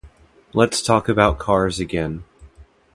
"Let's talk about cars again".